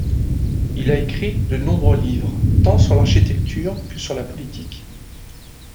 Il a écrit de nombreux livres, tant sur l'architecture que sur la politique.